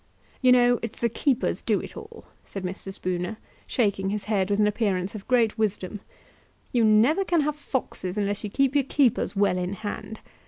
"You know it's the keepers do it all," said Mr. Spooner, shaking his head with an appearance of great wisdom. "You never can have foxes unless you keep your keepers well in hand.